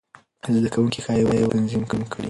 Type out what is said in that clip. زده کوونکي ښايي وخت تنظیم کړي.